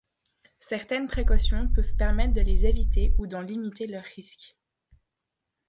Certaines précautions peuvent permettre de les éviter ou d'en limiter leur risque.